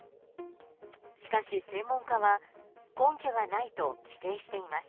しかし、専門家は根拠がないと否定しています。